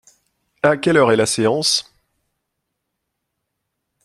À quelle heure est la séance ?